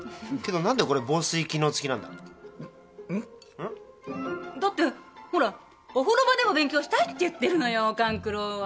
うん？だってほらお風呂場でも勉強したいって言ってるのよ勘九郎は。